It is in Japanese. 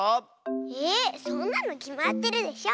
えそんなのきまってるでしょ。